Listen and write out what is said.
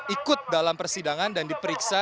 ikut dalam persidangan dan diperiksa